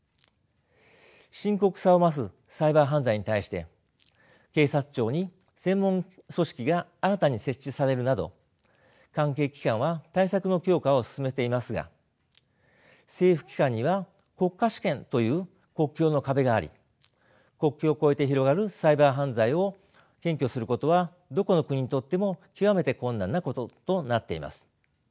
深刻さを増すサイバー犯罪に対して警察庁に専門組織が新たに設置されるなど関係機関は対策の強化を進めていますが政府機関には国家主権という国境の壁があり国境を越えて広がるサイバー犯罪を検挙することはどこの国にとっても極めて困難なこととなっています。